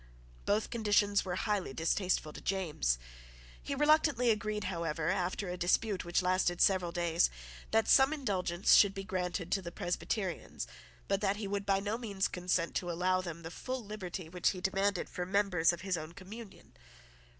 Both conditions were highly distasteful to James. He reluctantly agreed, however, after a dispute which lasted several days, that some indulgence should be granted to the Presbyterians but he would by no means consent to allow them the full liberty which he demanded for members of his own communion.